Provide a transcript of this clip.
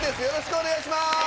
よろしくお願いします。